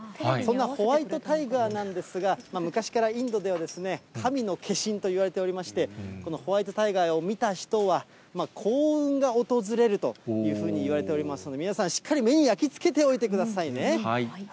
そんなホワイトタイガーなんですが、昔からインドでは、神の化身といわれておりまして、このホワイトタイガーを見た人は、幸運が訪れるというふうにいわれておりますので、皆さん、しっかり目に焼き付けておいてくださいね。